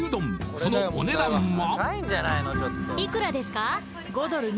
そのお値段は？